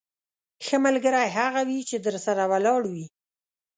ښه ملګری هغه وي چې درسره ولاړ وي.